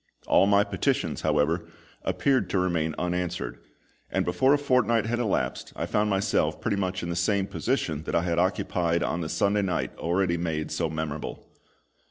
All my petitions, however, appeared to remain unanswered; and before a fortnight had elapsed I found myself pretty much in the same position that I had occupied on the Sunday night already made so memorable.